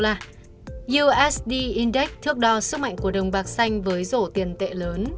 và usd index thước đo sức mạnh của đồng bạc xanh với rổ tiền tệ lớn